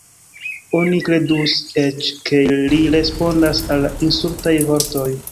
Oni kredus eĉ, ke li respondas al insultaj vortoj.